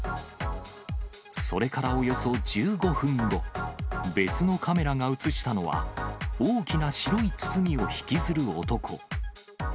それからおよそ１５分後、別のカメラが写したのは、大きな白い包みを引きずる男。